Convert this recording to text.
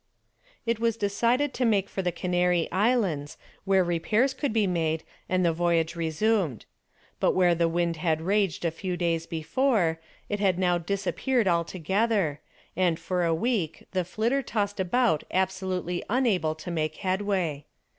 It was decided to make for the Canary Islands, where repairs could be made and the voyage resumed. But where the wind had raged a few days before, it had now disappeared altogether, and for a week the "Flitter" tossed about absolutely unable to make headway.